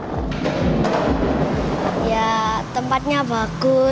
ya tempatnya bagus terus kita bisa lihat tempatnya juga jadi kita bisa lihat tempat tempatnya juga seperti itu ya